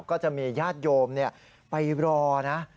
ก็จะมีญาติโยมไปรอนะ